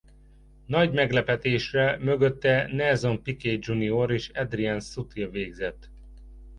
Nagy meglepetésre mögötte Nelson Piquet Jr és Adrian Sutil végzett.